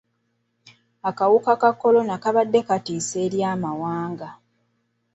Akawuka ka kolona kabadde ka ntiisa eri amawanga.